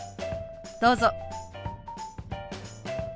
どうぞ。